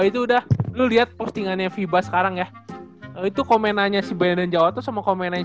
itu udah lu lihat postingannya viva sekarang ya itu komenannya si ben jawa tuh sama komenan